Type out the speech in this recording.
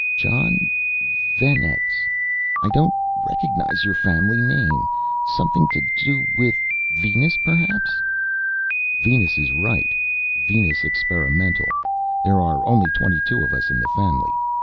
"Jon Venex, I don't recognize your family name. Something to do with Venus perhaps." "Venus is right, Venus Experimental there are only twenty two of us in the family.